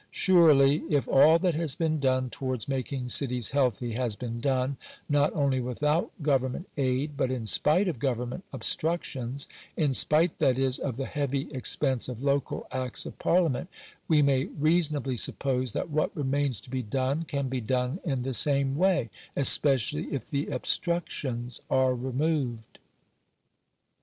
Surely, if all that has been done towards making cities healthy, has been done, not only without government aid, but in spite of government obstructions — in spite, that is, of the heavy ex pense of local acts of parliament — we may reasonably suppose, that what remains to be done can be done in the same way, especially if the obstructions are removed.